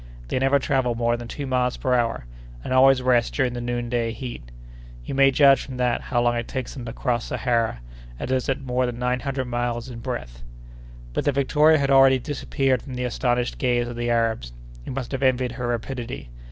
They never travel more than two miles per hour, and always rest during the noonday heat. You may judge from that how long it takes them to cross Sahara, a desert more than nine hundred miles in breadth." But the Victoria had already disappeared from the astonished gaze of the Arabs, who must have envied her rapidity.